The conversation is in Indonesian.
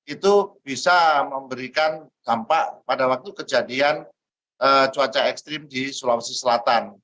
itu bisa memberikan dampak pada waktu kejadian cuaca ekstrim di sulawesi selatan